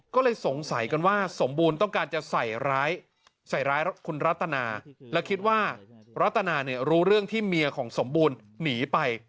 ก็เลยสงสัยกันว่าสมบูรณ์ต้องการจะใส่ร้ายคุณรัตนาและคิดว่ารัตนาเนี่ยรู้เรื่องที่เมียของสมบูรณ์หนีไป